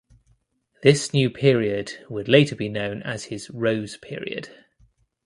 This new period would later be known as his Rose Period.